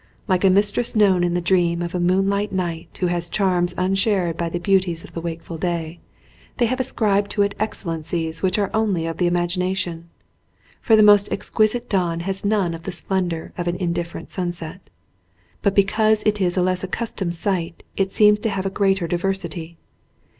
Like a mistress known in the dream of a moonlit night who has charms unshared by the beauties of the wakeful day, they have ascribed to it excellencies which are only of the imagination. For the most exquisite dawn has none of the splendour of an indifferent sunset. But because it is a less accus tomed sight it seems to have a greater diversity.